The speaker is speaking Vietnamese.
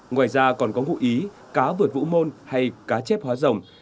ngoài ra còn có ngụ ý cá vượt vũ môn hay cá chép hóa dòng